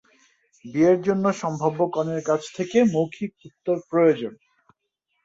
বিয়ের জন্য সম্ভাব্য কনের কাছ থেকে "মৌখিক উত্তর" প্রয়োজন।